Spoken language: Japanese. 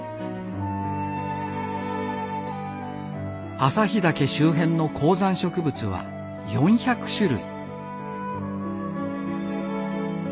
朝日岳周辺の高山植物は４００種類。